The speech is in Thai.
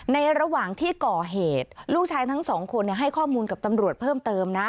ระหว่างที่ก่อเหตุลูกชายทั้งสองคนให้ข้อมูลกับตำรวจเพิ่มเติมนะ